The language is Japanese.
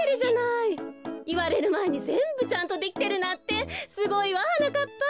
いわれるまえにぜんぶちゃんとできてるなんてすごいわはなかっぱ。